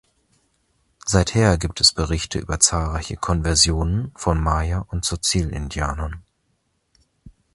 Seither gibt es Berichte über zahlreiche Konversionen von Maya und Tzotzil-Indianern.